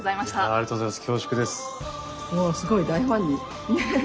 ありがとうございます。